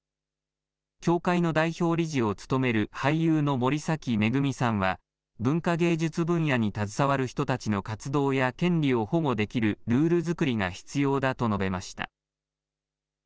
協会の代表理事を務める俳優の森崎めぐみさんは文化芸術分野に携わる人たちの活動や権利を保護できるルール作りが必要だと述べました。